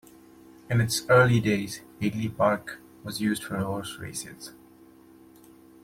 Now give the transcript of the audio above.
In its early days, Hagley Park was used for horse races.